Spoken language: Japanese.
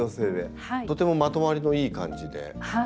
とてもまとまりのいい感じで。